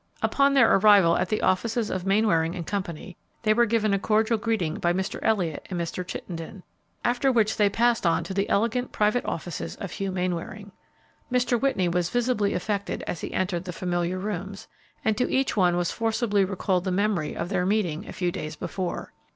Upon their arrival at the offices of Mainwaring & Co. they were given a cordial greeting by Mr. Elliott and Mr. Chittenden, after which they passed on to the elegant private offices of Hugh Mainwaring. Mr. Whitney was visibly affected as he entered the familiar rooms, and to each one was forcibly recalled the memory of their meeting a few days before.